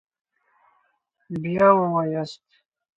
بیا ووایاست